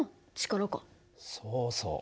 そうそう。